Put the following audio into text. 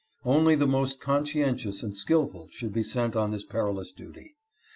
Only the most conscientious and skillful should be sent on this perilous duty.